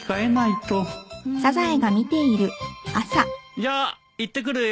じゃあ行ってくるよ。